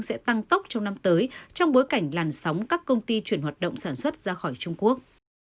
sẽ tăng tốc trong năm tới trong bối cảnh làn sóng các công ty chuyển hoạt động sản xuất ra khỏi trung quốc